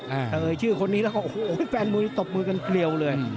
เอ่ยชื่อคนนี้แล้วก็โอ้โหแฟนมวยตบมือกันเกลียวเลย